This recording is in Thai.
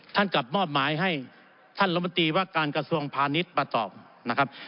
ท่านกลับมอบหมายให้ท่านล้ำตีว่าการกระทรวงพาณิชย์มาตอบ